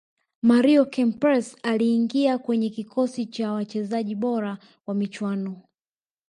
mario kempes aliingia kwenye kikosi cha wachezaji bora wa michuano